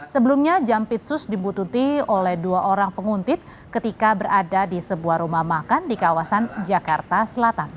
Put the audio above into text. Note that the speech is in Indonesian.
sebelumnya jampitsus dibututi oleh dua orang penguntit ketika berada di sebuah rumah makan di kawasan jakarta selatan